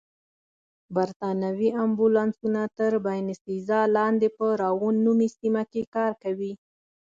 بریتانوي امبولانسونه تر باینسېزا لاندې په راون نومي سیمه کې کار کوي.